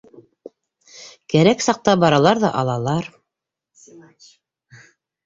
Кәрәк саҡта баралар ҙа алалар.